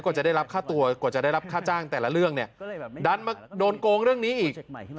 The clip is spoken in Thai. จะได้รับค่าตัวกว่าจะได้รับค่าจ้างแต่ละเรื่องเนี่ยดันมาโดนโกงเรื่องนี้อีก